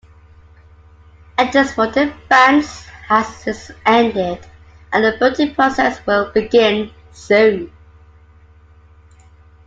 Entrance for the bands has since ended and the voting process will begin soon.